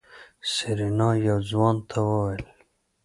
سېرېنا يو ځوان ته وويل.